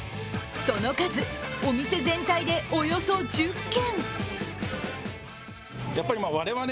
その数、お店全体でおよそ１０件。